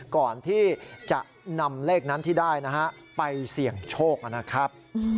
ก่อนที่จะนำเลขนั้นที่ได้นะฮะไปเสี่ยงโชคนะครับ